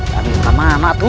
tapi kemana atu